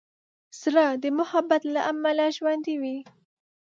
زړه د محبت له امله ژوندی وي.